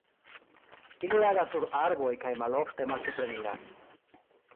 Ili agas sur arboj kaj malofte malsupreniras.